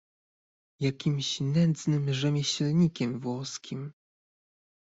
"jakimś nędznym rzemieślnikiem włoskim!"